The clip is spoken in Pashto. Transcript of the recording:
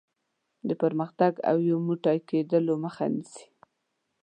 د پرمختګ او یو موټی کېدلو مخه نیسي.